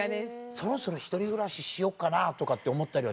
そろそろ１人暮らししようかなとかって思ったりはしない？